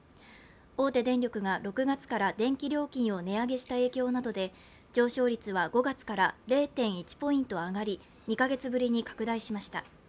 大手電力が６月から電気料金を値上げした影響などで上昇率は５月から０．１ポイント上がり２か月ぶりに拡大しました。